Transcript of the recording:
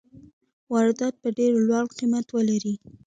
واردات به ډېر لوړ قیمت ولري.